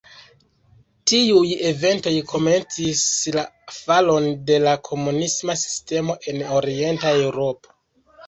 Tiuj eventoj komencis la falon de la komunisma sistemo en Orienta Eŭropo.